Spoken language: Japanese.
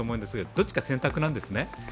どっちか選択なんですね。